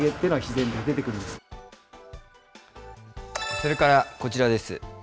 それからこちらです。